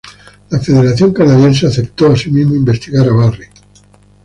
La Federación canadiense aceptó asimismo investigar a Barry.